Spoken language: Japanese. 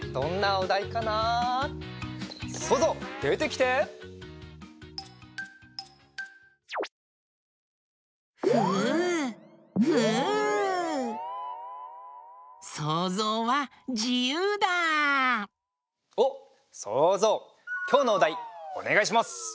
おっそうぞうきょうのおだいおねがいします。